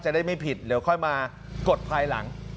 ได้ไม่ผิดเดี๋ยวค่อยมากดภายหลัง